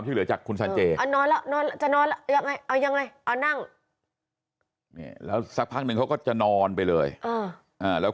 พี่ผู้โหญสวีนตัวเอทยังไงยังไงไม่นอน